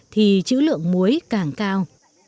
thì chữ lượng muối càng cao